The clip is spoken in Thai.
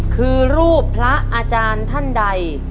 คือรูปพระอาจารย์ท่านใด